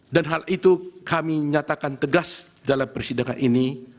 dan hal itu kami nyatakan tegas dalam persidangan ini